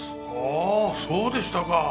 あーそうでしたか。